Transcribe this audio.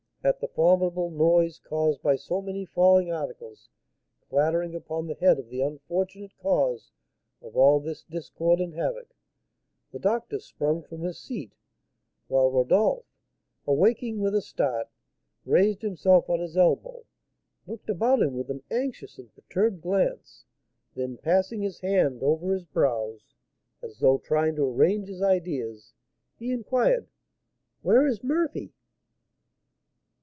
At the formidable noise caused by so many falling articles clattering upon the head of the unfortunate cause of all this discord and havoc, the doctor sprung from his seat, while Rodolph, awaking with a start, raised himself on his elbow, looked about him with an anxious and perturbed glance, then, passing his hand over his brows, as though trying to arrange his ideas, he inquired: "Where is Murphy?"